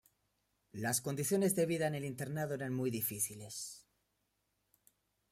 Las condiciones de vida en el internado eran muy difíciles.